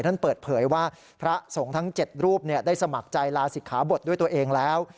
ท่านเปิดเผยว่าพระสงฆ์ทั้ง๗รูปได้สมัครใจลาศิกขาบทด้วยตัวเองแล้ว